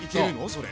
それ。